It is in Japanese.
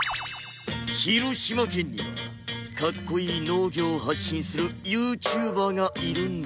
広島県にはかっこいい農業を発信する ＹｏｕＴｕｂｅｒ がいるんだってさ